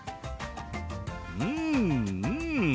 うんうん！